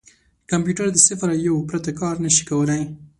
کمپیوټر د صفر او یو پرته کار نه شي کولای.